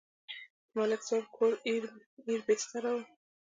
د ملک صاحب کور ایر بېستره و.